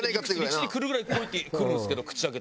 陸地に来るぐらい鯉って来るんですけど口開けて。